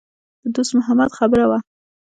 د دوست محمد خبره وه.